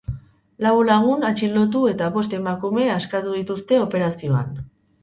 Lau lagun atxilotu eta bost emakume askatu dituzte operazioan.